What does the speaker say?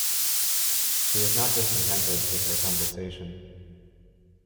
She was not discontented with her conversation.